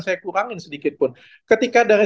saya kurangin sedikit pun ketika dari